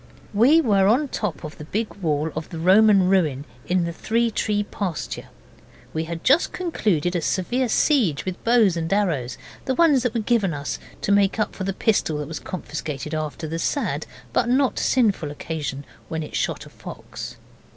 We were on the top of the big wall of the Roman ruin in the Three Tree pasture. We had just concluded a severe siege with bows and arrows the ones that were given us to make up for the pistol that was confiscated after the sad but not sinful occasion when it shot a fox.